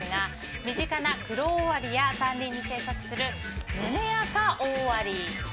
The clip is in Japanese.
身近なクロオオアリや山林に生息するムネアカオオアリ。